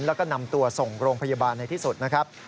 แล้วก็นำตัวส่งโรงพยาบาลในที่สุดนะครับ